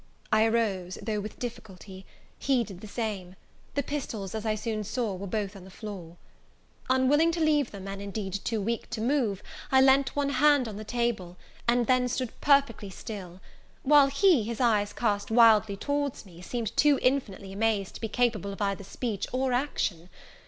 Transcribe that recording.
I arose, though with difficulty; he did the same; the pistols, as I soon saw, were both on the floor. Unwilling to leave them, and, indeed, too weak to move, I leant one hand on the table, and then stood perfectly still; while he, his eyes cast wildly towards me, seemed too infinitely amazed to be capable of either speech or action.